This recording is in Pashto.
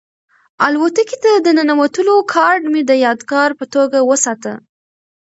الوتکې ته د ننوتلو کارډ مې د یادګار په توګه وساته.